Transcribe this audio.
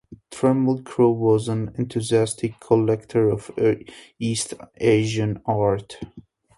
Trammell Crow was an enthusiastic collector of East Asian art.